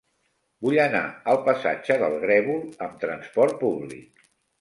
Vull anar al passatge del Grèvol amb trasport públic.